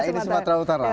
ini sumatra utara